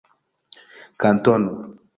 kantono